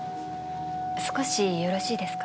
少しよろしいですか？